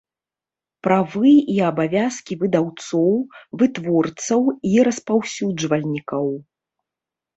Правы i абавязкi выдаўцоў, вытворцаў i распаўсюджвальнiкаў